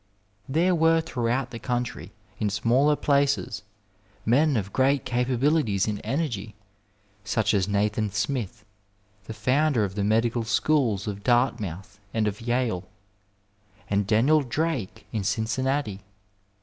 There were throughout the country, in smaller places, men of great capabilities and energy, such as Nathan Smith, the founder of the Medical Schools of Dartmouth and of Yale, and Daniel Drake in Cincinnati.